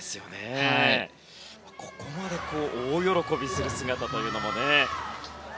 あそこまで大喜びする姿というのもね。